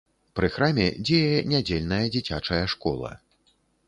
Пры храме дзее нядзельная дзіцячая школа.